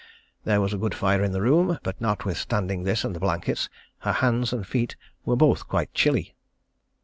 There was a good fire in the room, but notwithstanding this and the blankets, her hands and feet were both quite chilly.